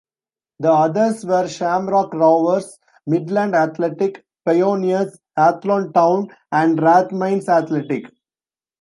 The others were Shamrock Rovers, Midland Athletic, Pioneers, Athlone Town and Rathmines Athletic.